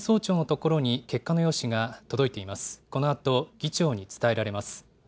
このあと議長に伝えられます。